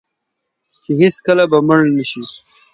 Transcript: چې هیڅکله به مړ نشي.